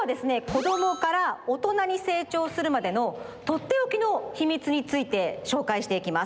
こどもからおとなに成長するまでのとっておきのヒミツについてしょうかいしていきます。